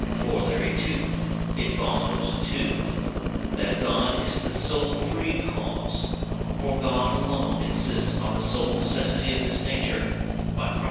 Corollary II. It follows: 2. That God is the sole free cause. For God alone exists by the sole necessity of his nature (by Prop.